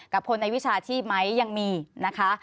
คนในวิชาชีพไหมยังมีนะคะ